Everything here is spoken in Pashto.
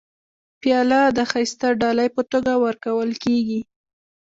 پیاله د ښایسته ډالۍ په توګه ورکول کېږي.